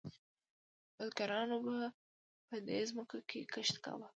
بزګرانو به په دې ځمکو کې کښت کاوه.